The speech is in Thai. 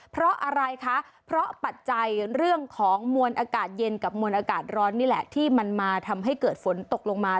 เพราะอะไรคะเพราะปัจจัยเรื่องของมวลอากาศเย็นกับมวลอากาศร้อนนี่แหละที่มันมาทำให้เกิดฝนตกลงมา